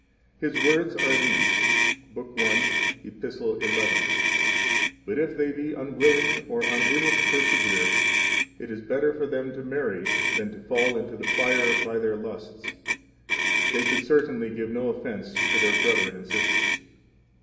His words are these (Book I, Epistle XI): But if they be unwilling or unable to persevere, it is better for them to marry than to fall into the fire by their lusts; they should certainly give no offense to their brethren and sisters.